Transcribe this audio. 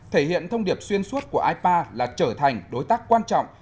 thể hiện thông điệp xuyên suốt của ipa là trở thành đối tác quan trọng